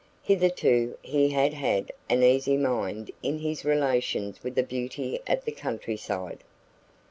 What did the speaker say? Hitherto he had had an easy mind in his relations with the beauty of the countryside.